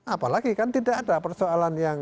apalagi kan tidak ada persoalan yang